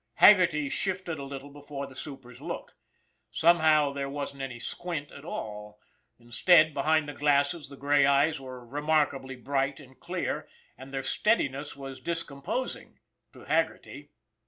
Haggerty shifted a little before the super's look. Somehow, there wasn't any squint at all; instead, be hind the glasses, the gray eyes were remarkably bright and clear, and their steadiness was discomposing to Haggerty.